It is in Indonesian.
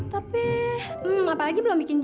tapi hmm apalagi belum bikin janji